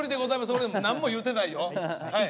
俺何も言うてないよはい。